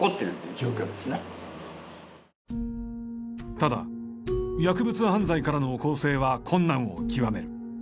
ただ薬物犯罪からの更生は困難を極める。